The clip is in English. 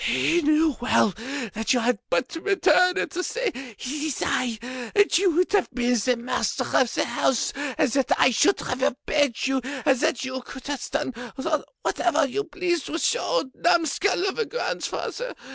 You knew well, that you had but to return and to say: 'It is I,' and you would have been the master of the house, and that I should have obeyed you, and that you could have done whatever you pleased with your old numskull of a grandfather!